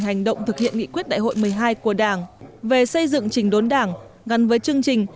hành động thực hiện nghị quyết đại hội một mươi hai của đảng về xây dựng trình đốn đảng gắn với chương trình